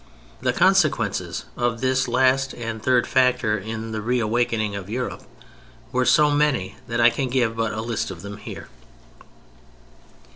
The consequences of this last and third factor in the re awakening of Europe were so many that I can give but a list of them here.